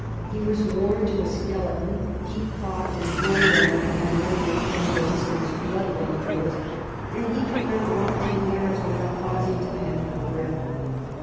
He was worn to a skeleton, he coughed and groaned all night in a way to make the listener's blood run cold, and he could not walk ten yards without pausing to pant for breath.